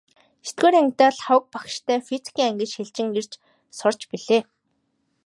Есдүгээр ангидаа Лхагва багштай физикийн ангид шилжин ирж сурч билээ.